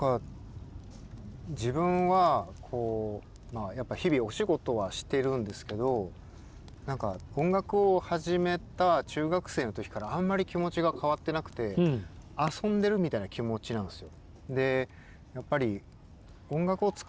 自分は日々お仕事はしてるんですけど音楽を始めた中学生の時からあんまり気持ちが変わってなくて遊んでるみたいな気持ちなんですよ。